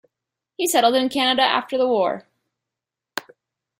He settled in Canada after the war.